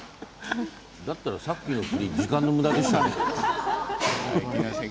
だったらさっきの振りは時間のむだでしたね。